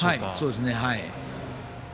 そうですね。